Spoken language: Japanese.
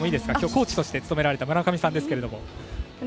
コーチとして務められた村上さんです。